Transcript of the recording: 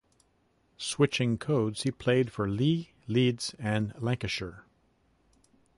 Switching codes he played for Leigh, Leeds and Lancashire.